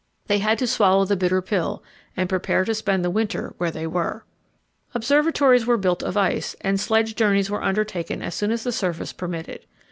They had to swallow the bitter pill, and prepare to spend the winter where they were. Observatories were built of ice, and sledge journeys were undertaken as soon as the surface permitted.